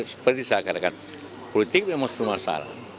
seperti saya katakan politik memang itu masalah